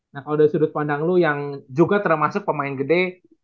nah kalau dari sudut pandang lo yang juga termasuk pemain gede